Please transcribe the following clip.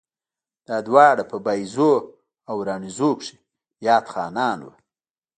دا دواړه پۀ بائيزو او راڼېزو کښې ياد خانان وو